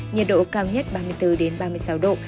nhiệt độ cao nhất ba mươi bốn ba mươi sáu độ